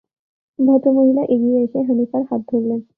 ভদ্রমহিলা এগিয়ে এসে হানিফার হাত ধরলেন।